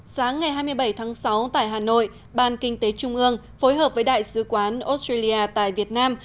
sáng ngày hai mươi bảy tháng sáu tại hà nội ban kinh tế trung ương phối hợp với đại sứ quán australia tại việt nam